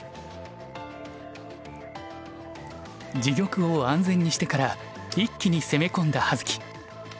自玉を安全にしてから一気に攻め込んだ葉月。